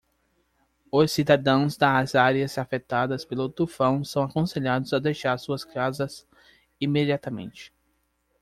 Os cidadãos das áreas afetadas pelo tufão são aconselhados a deixar suas casas imediatamente.